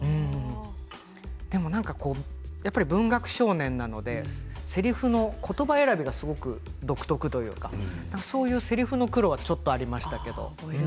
でもなんかやっぱり文学少年なのでせりふの言葉選びがすごく独特というかそういうせりふの苦労はちょっとありましたけれど。